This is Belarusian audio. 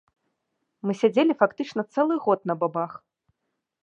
Мы сядзелі фактычна цэлы год на бабах.